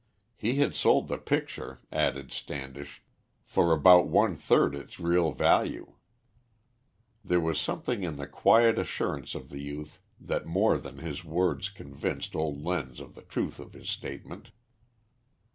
He had sold the picture, added Standish, for about one third its real value. There was something in the quiet assurance of the youth that more than his words convinced old Lenz of the truth of his statement.